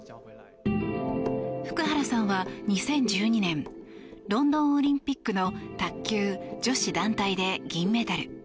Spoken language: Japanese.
福原さんは２０１２年ロンドンオリンピックの卓球女子団体で銀メダル。